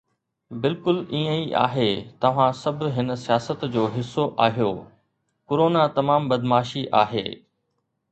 بلڪل ائين ئي آهي، توهان سڀ هن سياست جو حصو آهيو، ڪرونا تمام بدمعاشي آهي